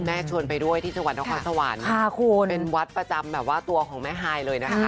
ชวนไปด้วยที่จังหวัดนครสวรรค์เป็นวัดประจำแบบว่าตัวของแม่ฮายเลยนะคะ